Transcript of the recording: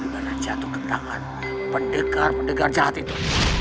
karena jatuh ke tangan pendekar pendekar jahat itu